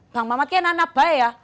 bang mamatnya anak anak baik ya